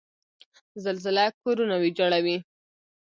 زلزله کورونه ویجاړوي.